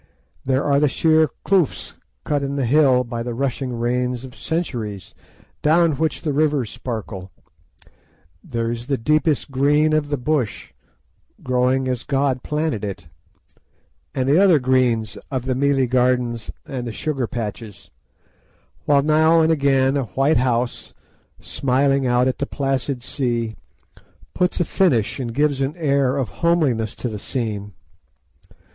There are the sheer kloofs cut in the hills by the rushing rains of centuries, down which the rivers sparkle; there is the deepest green of the bush, growing as God planted it, and the other greens of the mealie gardens and the sugar patches, while now and again a white house, smiling out at the placid sea, puts a finish and gives an air of homeliness to the scene.